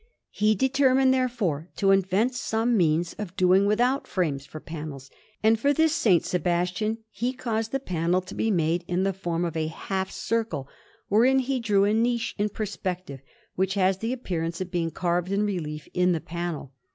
He determined, therefore, to invent some means of doing without frames for panels; and for this S. Sebastian he caused the panel to be made in the form of a half circle, wherein he drew a niche in perspective, which has the appearance of being carved in relief in the panel.